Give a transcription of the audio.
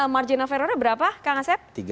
marginal failure nya berapa kak ngasep